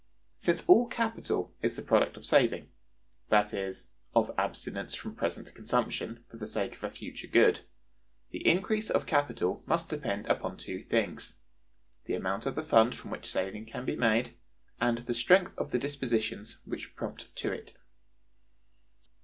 Since all capital is the product of saving, that is, of abstinence from present consumption for the sake of a future good, the increase of capital must depend upon two things—the amount of the fund from which saving can be made, and the strength of the dispositions which prompt to it.